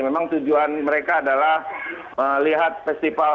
memang tujuan mereka adalah melihat festival